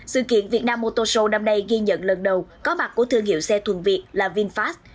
sự kiện việt nam motor show năm nay ghi nhận lần đầu có mặt của thương hiệu xe thuần việt là vinfast